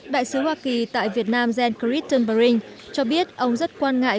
đại sứ hoa kỳ tại việt nam jean claude tembering cho biết ông rất quan ngại